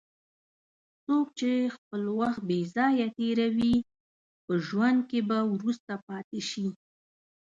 څوک چې خپل وخت بې ځایه تېروي، په ژوند کې به وروسته پاتې شي.